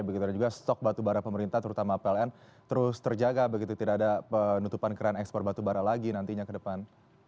begitu juga stok batu barat pemerintah terutama pln terus terjaga begitu tidak ada penutupan keran ekspor batu barat lagi nantinya ke depan